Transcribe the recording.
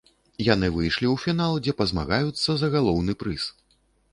Яны выйшлі ў фінал, дзе пазмагаюцца за галоўны прыз.